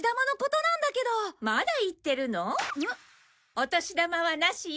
お年玉はなしよ。